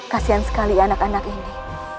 kasian sekali anak anak ini